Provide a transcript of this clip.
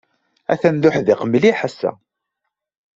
Atan d uḥdiq mliḥ ass-a.